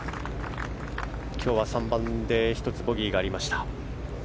今日は３番で１つボギーがありました。